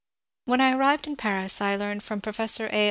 When I arrived in Paris I learned from Professor A.